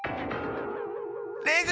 レグ！